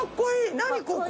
何ここ。